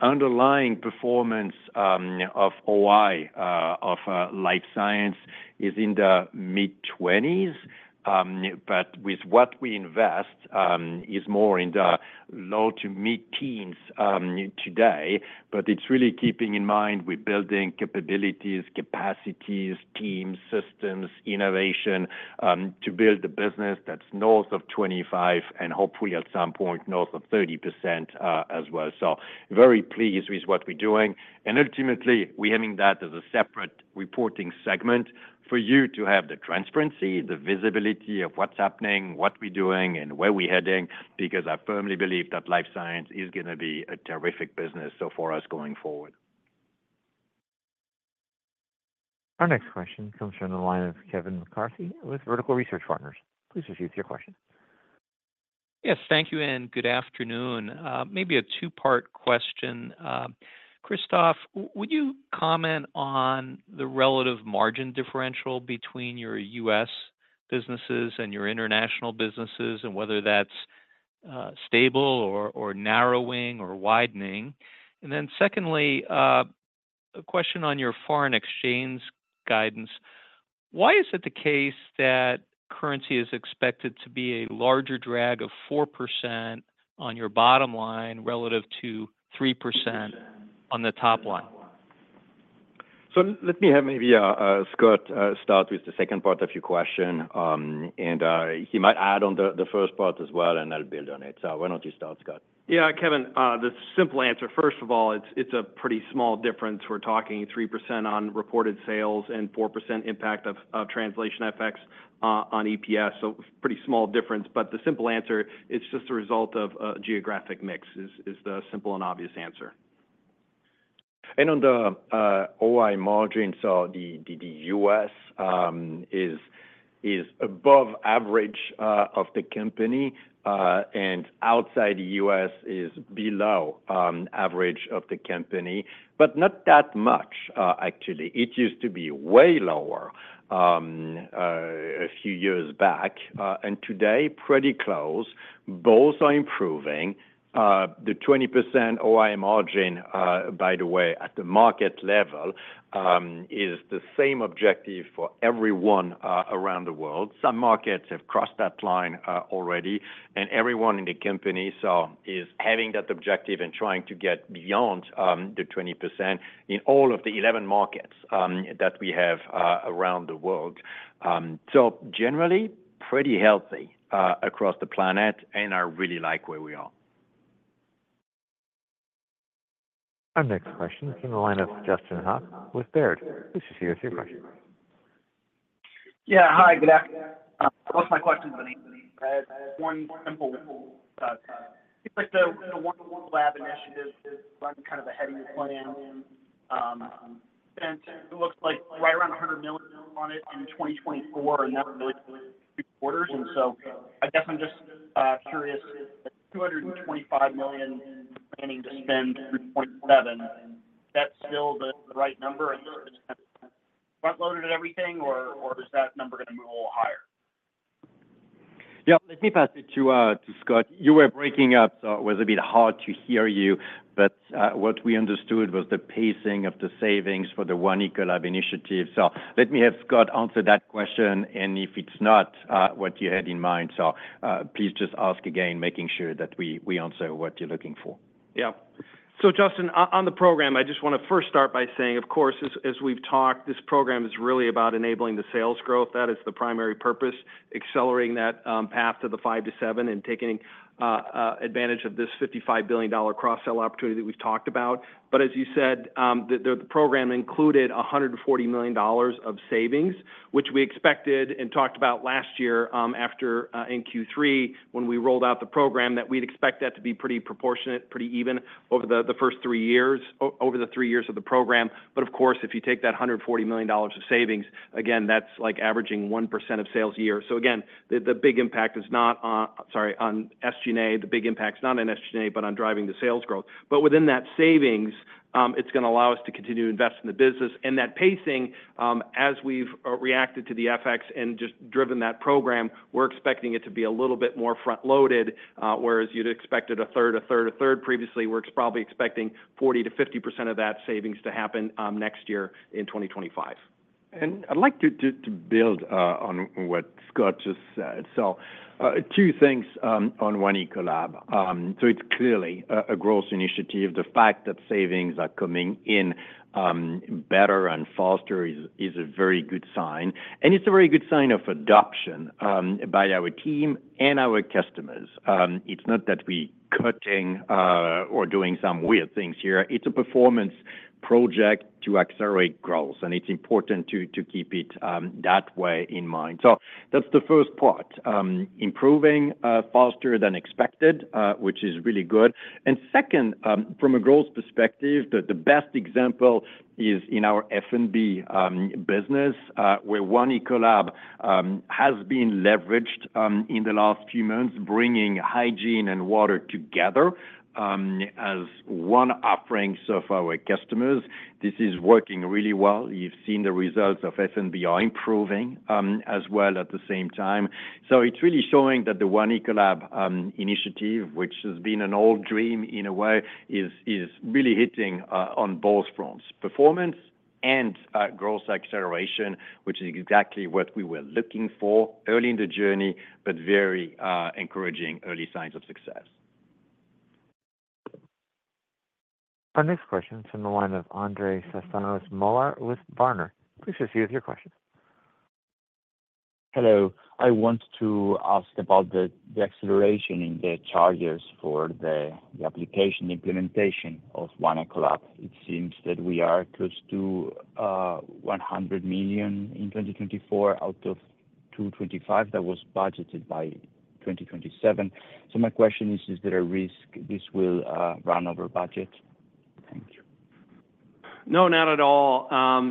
Underlying performance of OI of Life Sciences is in the mid-20s. But with what we invest is more in the low to mid-teens today. But it's really keeping in mind we're building capabilities, capacities, teams, systems, innovation to build the business that's north of 25% and hopefully at some point north of 30% as well. So very pleased with what we're doing. And ultimately, we're having that as a separate reporting segment for you to have the transparency, the visibility of what's happening, what we're doing, and where we're heading because I firmly believe that Life Sciences is going to be a terrific business for us going forward. Our next question comes from the line of Kevin McCarthy with Vertical Research Partners. Please proceed with your question. Yes, thank you, and good afternoon. Maybe a two-part question. Christophe, would you comment on the relative margin differential between your U.S. businesses and your international businesses and whether that's stable or narrowing or widening? And then secondly, a question on your foreign exchange guidance. Why is it the case that currency is expected to be a larger drag of 4% on your bottom line relative to 3% on the top line? So, let me have maybe Scott start with the second part of your question. And he might add on the first part as well, and I'll build on it. So, why don't you start, Scott? Yeah, Kevin, the simple answer, first of all, it's a pretty small difference. We're talking 3% on reported sales and 4% impact of translation effects on EPS. So pretty small difference. But the simple answer, it's just the result of geographic mix, is the simple and obvious answer. And on the OI margin, so the U.S. is above average of the company, and outside the U.S. is below average of the company. But not that much, actually. It used to be way lower a few years back. And today, pretty close. Both are improving. The 20% OI margin, by the way, at the market level is the same objective for everyone around the world. Some markets have crossed that line already, and everyone in the company is having that objective and trying to get beyond the 20% in all of the 11 markets that we have around the world. So generally, pretty healthy across the planet and I really like where we are. Our next question is from the line of Justin Kleber with Baird. Please proceed with your question. Yeah, hi, good afternoon. Most of my questions are one simple thing. It's like the One Ecolab Initiative is running kind of a heavier plan. Spent, it looks like right around $100 million on it in 2024, and that's really three quarters. And so I guess I'm just curious, $225 million planning to spend through '27. That's still the right number? Is that front-loaded at everything, or is that number going to move a little higher? Yeah, let me pass it to Scott. You were breaking up, so it was a bit hard to hear you. But what we understood was the pacing of the savings for the One Ecolab Initiative. So let me have Scott answer that question, and if it's not what you had in mind, so please just ask again, making sure that we answer what you're looking for. Yeah. So Justin, on the program, I just want to first start by saying, of course, as we've talked, this program is really about enabling the sales growth. That is the primary purpose, accelerating that path to the five to seven and taking advantage of this $55 billion cross-sell opportunity that we've talked about. But as you said, the program included $140 million of savings, which we expected and talked about last year after in Q3 when we rolled out the program that we'd expect that to be pretty proportionate, pretty even over the first three years, over the three years of the program. But of course, if you take that $140 million of savings, again, that's like averaging 1% of sales a year. So again, the big impact is not on, sorry, on SG&A. The big impact's not on SG&A, but on driving the sales growth. But within that savings, it's going to allow us to continue to invest in the business. And that pacing, as we've reacted to the FX and just driven that program, we're expecting it to be a little bit more front-loaded, whereas you'd expected a third, a third, a third previously. We're probably expecting 40%-50% of that savings to happen next year in 2025. I'd like to build on what Scott just said. Two things on One Ecolab. It's clearly a growth initiative. The fact that savings are coming in better and faster is a very good sign. It's a very good sign of adoption by our team and our customers. It's not that we're cutting or doing some weird things here. It's a performance project to accelerate growth. It's important to keep it that way in mind. That's the first part. Improving faster than expected, which is really good. Second, from a growth perspective, the best example is in our F&B business, where One Ecolab has been leveraged in the last few months, bringing hygiene and water together as one offering of our customers. This is working really well. You've seen the results of F&B are improving as well at the same time. So it's really showing that the One Ecolab Initiative, which has been an old dream in a way, is really hitting on both fronts, performance and growth acceleration, which is exactly what we were looking for early in the journey, but very encouraging early signs of success. Our next question is from the line of Andres Castanos-Mollor with Berenberg. Please proceed with your question. Hello. I want to ask about the acceleration in the charges for the application implementation of One Ecolab. It seems that we are close to $100 million in 2024 out of $225 million that was budgeted by 2027. So my question is, is there a risk this will run over budget? Thank you. No, not at all.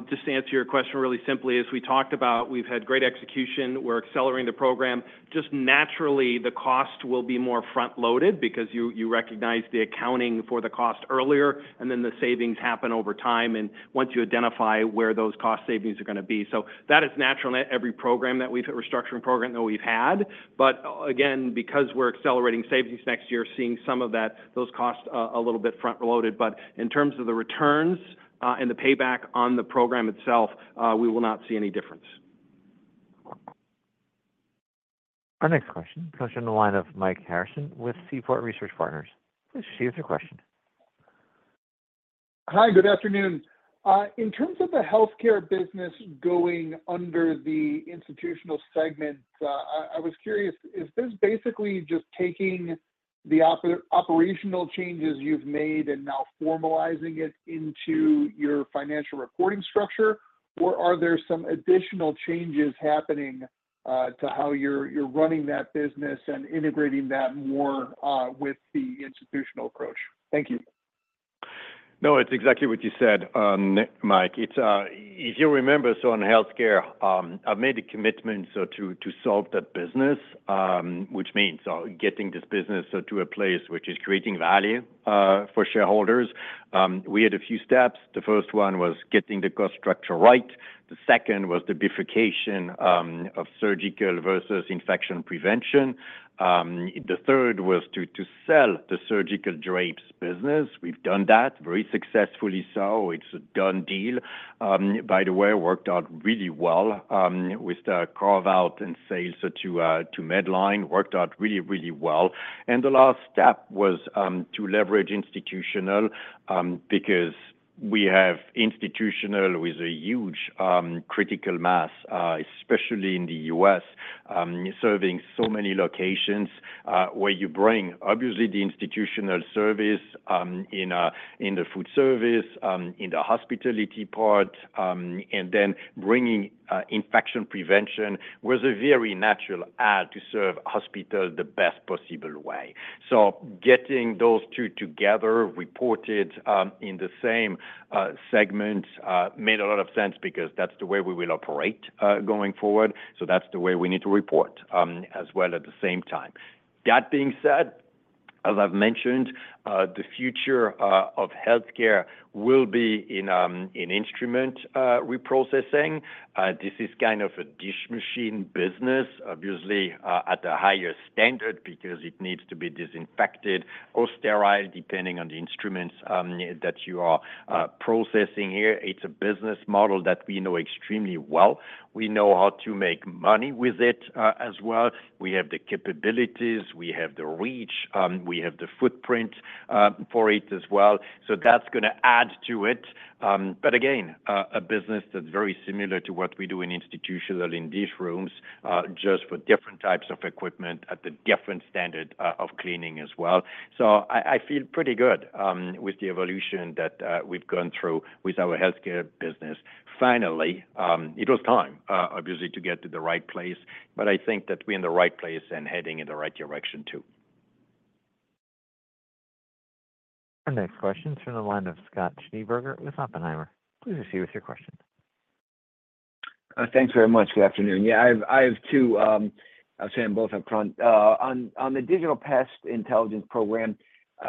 Just to answer your question really simply, as we talked about, we've had great execution. We're accelerating the program. Just naturally, the cost will be more front-loaded because you recognize the accounting for the cost earlier, and then the savings happen over time and once you identify where those cost savings are going to be. So that is natural in every program that we've had, restructuring program that we've had. But again, because we're accelerating savings next year, seeing some of those costs a little bit front-loaded. But in terms of the returns and the payback on the program itself, we will not see any difference. Our next question comes from the line of Mike Harrison with Seaport Research Partners. Please proceed with your question. Hi, good afternoon. In terms of the healthcare business going under the institutional segment, I was curious, is this basically just taking the operational changes you've made and now formalizing it into your financial reporting structure, or are there some additional changes happening to how you're running that business and integrating that more with the institutional approach? Thank you. No, it's exactly what you said, Mike. If you remember, so in healthcare, I've made a commitment to solve that business, which means getting this business to a place which is creating value for shareholders. We had a few steps. The first one was getting the cost structure right. The second was the bifurcation of Surgical versus infection Prevention. The third was to sell the Surgical drapes business. We've done that very successfully. So it's a done deal. By the way, worked out really well with the carve-out and sales to Medline. Worked out really, really well. And the last step was to leverage Institutional because we have Institutional with a huge critical mass, especially in the U.S., serving so many locations where you bring, obviously, the Institutional service in the food service, in the hospitality part, and then bringing Infection Prevention was a very natural add to serve hospitals the best possible way. So getting those two together, reported in the same segment, made a lot of sense because that's the way we will operate going forward. So that's the way we need to report as well at the same time. That being said, as I've mentioned, the future of Healthcare will be in instrument reprocessing. This is kind of a dish machine business, obviously, at the highest standard because it needs to be disinfected or sterile depending on the instruments that you are processing here. It's a business model that we know extremely well. We know how to make money with it as well. We have the capabilities, we have the reach, we have the footprint for it as well. So that's going to add to it. But again, a business that's very similar to what we do in institutional in dish rooms, just for different types of equipment at the different standard of cleaning as well. So I feel pretty good with the evolution that we've gone through with our healthcare business. Finally, it was time, obviously, to get to the right place. But I think that we're in the right place and heading in the right direction too. Our next question is from the line of Scott Schneeberger with Oppenheimer. Please proceed with your question. Thanks very much. Good afternoon. Yeah, I have two. I'll say them both up front. On the Digital Pest Intelligence Program,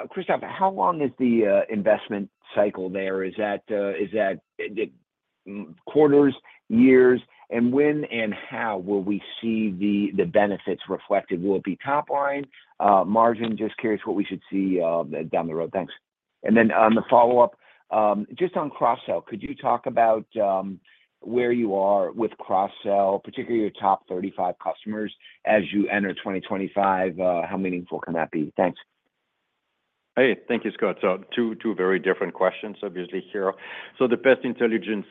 Christophe, how long is the investment cycle there? Is that quarters, years? And when and how will we see the benefits reflected? Will it be top line? Margin, just curious what we should see down the road. Thanks. And then on the follow-up, just on cross-sell, could you talk about where you are with cross-sell, particularly your top 35 customers as you enter 2025? How meaningful can that be? Thanks. Hey, thank you, Scott. So two very different questions, obviously, here. So the pest intelligence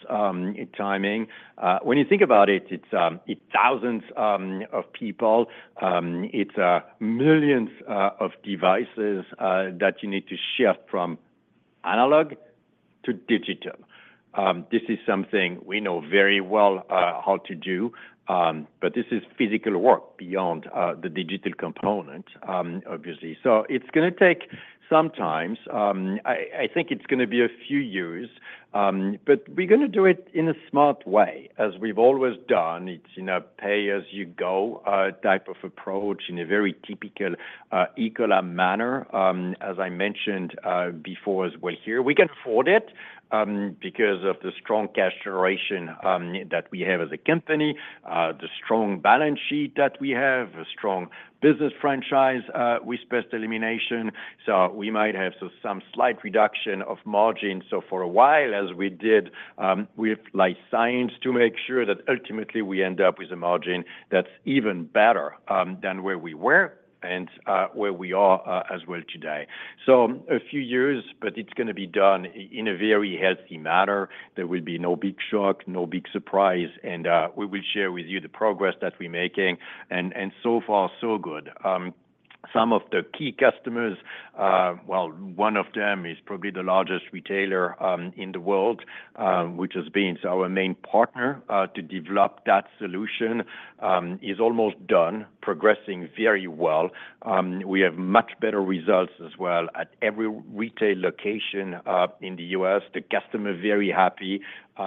timing, when you think about it, it's thousands of people. It's millions of devices that you need to shift from analog to digital. This is something we know very well how to do, but this is physical work beyond the digital component, obviously. So it's going to take some time. I think it's going to be a few years, but we're going to do it in a smart way, as we've always done. It's in a pay-as-you-go type of approach in a very typical Ecolab manner, as I mentioned before as well here. We can afford it because of the strong cash generation that we have as a company, the strong balance sheet that we have, a strong business franchise with pest elimination. So we might have some slight reduction of margin. So for a while, as we did, we applied science to make sure that ultimately we end up with a margin that's even better than where we were and where we are as well today. So a few years, but it's going to be done in a very healthy manner. There will be no big shock, no big surprise. And we will share with you the progress that we're making. And so far, so good. Some of the key customers, well, one of them is probably the largest retailer in the world, which has been our main partner to develop that solution, is almost done, progressing very well. We have much better results as well at every retail location in the U.S. The customer is very happy.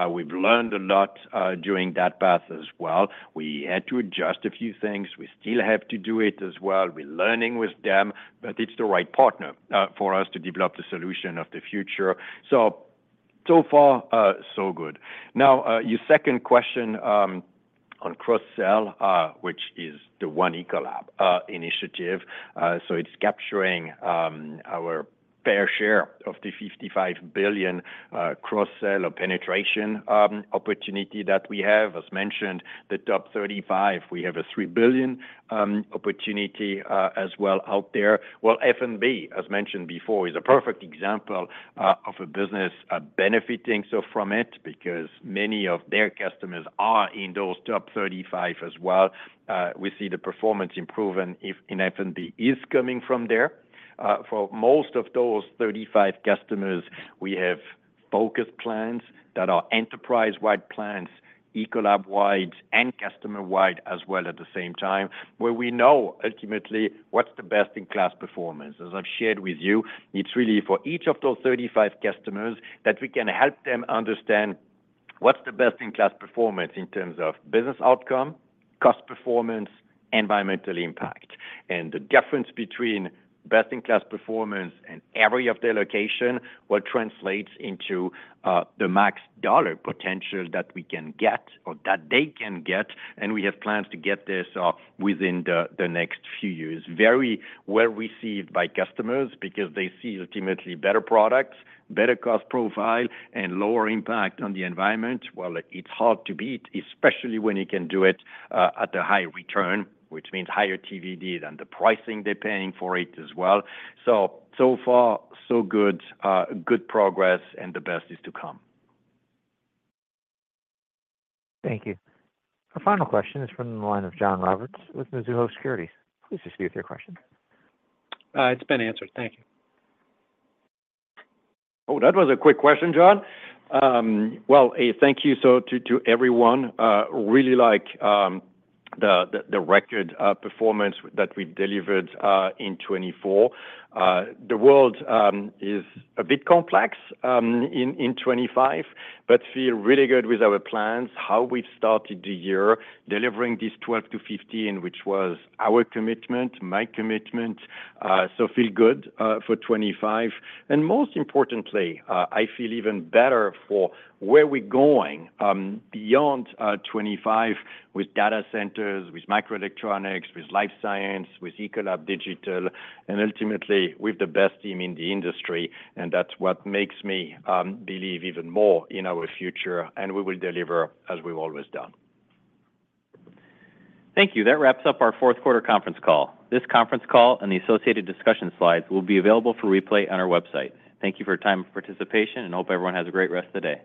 We've learned a lot during that path as well. We had to adjust a few things. We still have to do it as well. We're learning with them, but it's the right partner for us to develop the solution of the future. So far, so good. Now, your second question on cross-sell, which is the One Ecolab initiative. So it's capturing our fair share of the $55 billion cross-sell or penetration opportunity that we have. As mentioned, the top 35, we have a $3 billion opportunity as well out there. F&B, as mentioned before, is a perfect example of a business benefiting from it because many of their customers are in those top 35 as well. We see the performance improvement in F&B is coming from there. For most of those 35 customers, we have focus plans that are enterprise-wide plans, Ecolab-wide, and customer-wide as well at the same time, where we know ultimately what's the best-in-class performance. As I've shared with you, it's really for each of those 35 customers that we can help them understand what's the best-in-class performance in terms of business outcome, cost performance, environmental impact. The difference between best-in-class performance and area of their location will translate into the max dollar potential that we can get or that they can get. We have plans to get this within the next few years. Very well received by customers because they see ultimately better products, better cost profile, and lower impact on the environment. It's hard to beat, especially when you can do it at a high return, which means higher TVD than the pricing they're paying for it as well. So far, so good, good progress, and the best is to come. Thank you. Our final question is from the line of John Roberts with Mizuho Securities. Please proceed with your question. It's been answered. Thank you. Oh, that was a quick question, John. Well, thank you to everyone. I really like the record performance that we delivered in 2024. The world is a bit complex in 2025, but I feel really good with our plans, how we've started the year delivering this 12 to 15, which was our commitment, my commitment. So I feel good for 2025. And most importantly, I feel even better for where we're going beyond 2025 with data centers, with microelectronics, with life science, with Ecolab Digital, and ultimately with the best team in the industry. And that's what makes me believe even more in our future and we will deliver as we've always done. Thank you. That wraps up our fourth quarter conference call. This conference call and the associated discussion slides will be available for replay on our website. Thank you for your time and participation, and hope everyone has a great rest of the day.